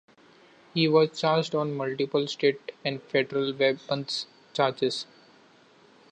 He was charged on multiple state and federal weapons charges.